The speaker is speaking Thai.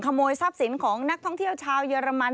ขโมยทรัพย์สินของธนที่เชื้อชาวเยอรมัน